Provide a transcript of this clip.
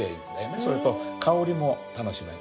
それと香りも楽しめる。